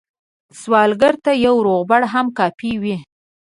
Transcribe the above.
سوالګر ته یو روغبړ هم کافي وي